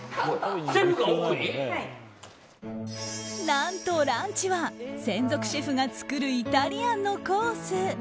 何と、ランチは専属シェフが作るイタリアンのコース。